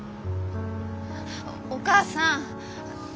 お母さん。